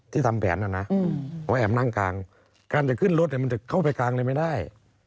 ทำแผนน่ะนะเขาแอบนั่งกลางการจะขึ้นรถมันจะเข้าไปกลางเลยไม่ได้